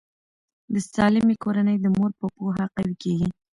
د سالمې کورنۍ د مور په پوهه قوي کیږي.